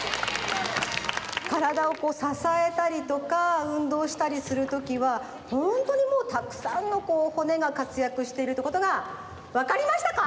カラダをこうささえたりとか運動したりするときはホントにもうたくさんのこう骨がかつやくしてるってことがわかりましたか？